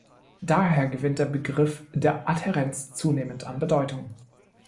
Daher gewinnt der Begriff der Adhärenz zunehmend an Bedeutung.